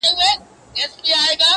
د لاس د گوتو تر منځ لا فرق سته.